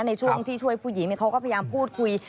ในช่วงที่ช่วยผู้หญิงเขาก็พยายามพูดคุย